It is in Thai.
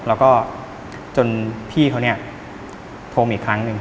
แล้วก็จนพี่เขาเนี่ยโทรมาอีกครั้งหนึ่ง